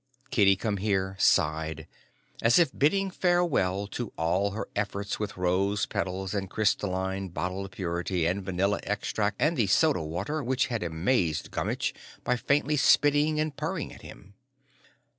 Kitty Come Here sighed, as if bidding farewell to all her efforts with rose petals and crystalline bottled purity and vanilla extract and the soda water which had amazed Gummitch by faintly spitting and purring at him.